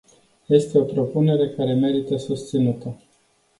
Este o propunere care merită susținută.